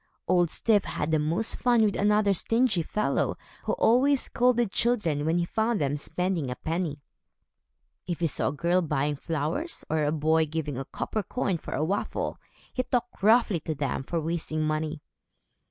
Old Styf had the most fun with another stingy fellow, who always scolded children when he found them spending a penny. If he saw a girl buying flowers, or a boy giving a copper coin for a waffle, he talked roughly to them for wasting money.